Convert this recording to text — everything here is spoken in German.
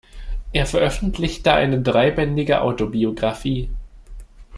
Er veröffentlichte eine dreibändige Autobiographie.